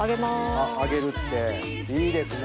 あっ上げるっていいですね！